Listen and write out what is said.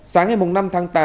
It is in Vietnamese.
sáng ngày năm tháng tám